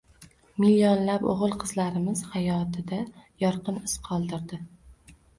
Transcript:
Millionlab oʻgʻil-qizlarimiz hayotida yorqin iz qoldirdi